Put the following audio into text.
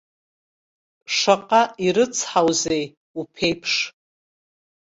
Шаҟа ирыцҳаузеи уԥеиԥш.